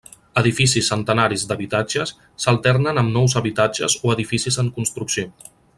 Edificis centenaris d'habitatges s'alternen amb nous habitatges o edificis en construcció.